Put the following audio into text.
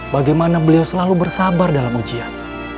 bagaimana beliau selalu bersabar dalam ujian